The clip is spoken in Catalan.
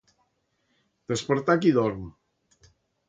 Despertar a qui dorm.